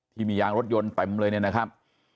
ที่มียางรถยนต์เต็มเลยเนี่ยนะครับ